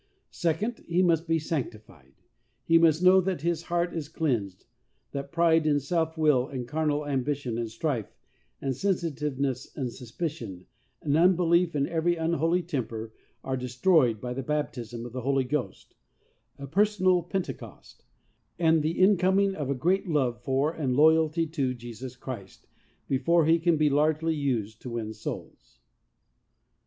Second : He must be sanctified ; he must know that his heart is cleansed, that pride and self will and carnal ambition and strife and sensitiveness and suspicion and unbelief and every unholy temper are de stroyed by the baptism of the Holy Ghost — a personal Pentecost — and the incoming of a great love for, and loyalty to, Jesus Christ, before he can be largely used to win souls.